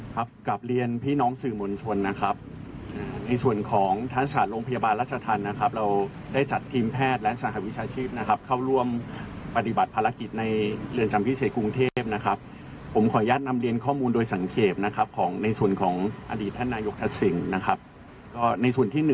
ครับกลับเรียนพี่น้องสื่อมวลชนนะครับในส่วนของท่านศาสตร์โรงพยาบาลรัชธรรมนะครับเราได้จัดทีมแพทย์และสหวิชาชีพนะครับเข้าร่วมปฏิบัติภารกิจในเรือนจำพิเศษกรุงเทพนะครับผมขออนุญาตนำเรียนข้อมูลโดยสังเกตนะครับของในส่วนของอดีตท่านนายกทักษิณนะครับก็ในส่วนที่๑